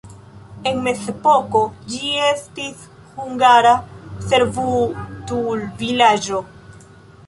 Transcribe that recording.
En mezepoko ĝi estis hungara servutul-vilaĝo.